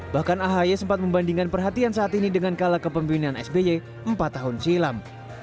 bahkan ahy sempat membandingkan perhatian saat ini dengan kala kepemimpinan sby empat tahun silam